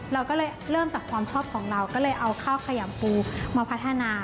เราก็เลยเริ่มจากความชอบของเราก็เลยเอาข้าวขยำปูมาพัฒนา